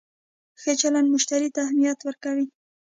ښه چلند مشتری ته اهمیت ورکوي.